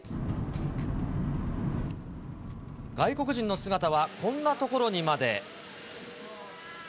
外国人の姿はこんな所にまで。